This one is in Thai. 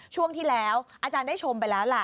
ช่วงที่แล้วอาจารย์ได้ชมไปแล้วล่ะ